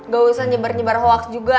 gak usah nyebar nyebar hoax juga